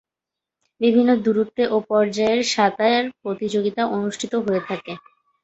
বিভিন্ন দূরত্বে ও পর্যায়ের সাঁতার প্রতিযোগিতা অনুষ্ঠিত হয়ে থাকে।